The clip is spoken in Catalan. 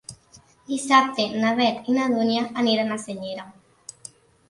Dissabte na Beth i na Dúnia aniran a Senyera.